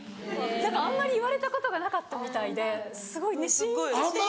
あんまり言われたことがなかったみたいですごいシンとしてね。